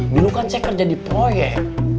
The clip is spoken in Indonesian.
dulu kan saya kerja di proyek